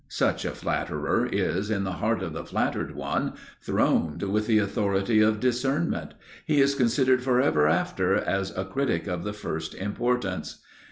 Such a flatterer is, in the heart of the flattered one, throned with the authority of discernment; he is considered forever after as a critic of the first importance.